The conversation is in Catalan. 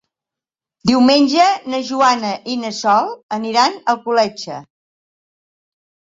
Diumenge na Joana i na Sol aniran a Alcoletge.